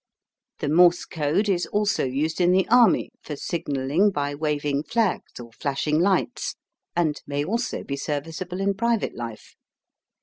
The Morse code is also used in the army for signalling by waving flags or flashing lights, and may also be serviceable in private life.